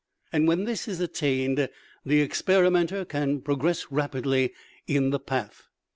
And when this is attained the experimenter can progress rapidly in the path.